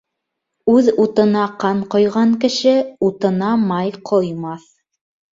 Үҙ утына ҡан ҡойған кеше утына май ҡоймаҫ.